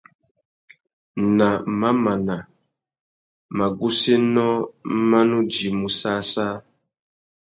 Nà mamana, magussénô mà nu djïmú săssā.